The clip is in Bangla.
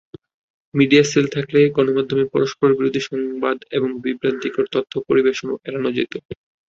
মিডিয়া সেল থাকলে গণমাধ্যমে পরস্পরবিরোধী সংবাদ এবং বিভ্রান্তিকর তথ্য পরিবেশনও এড়ানো যেত।